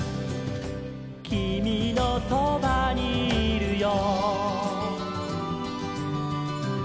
「きみのそばにいるよ」